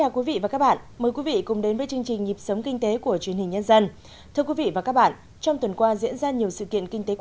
các bạn hãy đăng ký kênh để ủng hộ kênh của chúng mình nhé